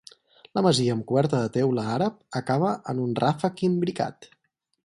La masia amb coberta de teula àrab acaba en un ràfec imbricat.